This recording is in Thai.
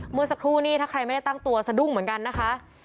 เมื่อสักครู่นี้ถ้าใครไม่ได้ตั้งตัวสะดุ้งเหมือนกันนะคะ